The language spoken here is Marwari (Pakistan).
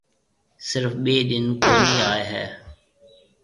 سرف ٻي ڏن ڪونِي آئي هيَ۔